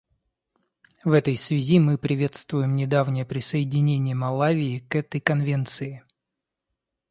В этой связи мы приветствуем недавнее присоединение Малави к этой Конвенции.